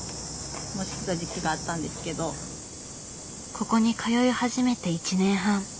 ここに通い始めて１年半。